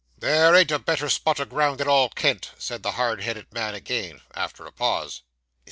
'There ain't a better spot o' ground in all Kent,' said the hard headed man again, after a pause.